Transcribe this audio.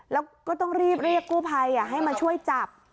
แล้วก็ต้องรีบเรียกกู้ภัยให้มาช่วยจับ